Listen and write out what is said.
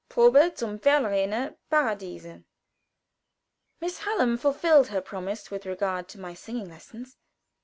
"Probe zum verlorenen Paradiese." Miss Hallam fulfilled her promise with regard to my singing lessons.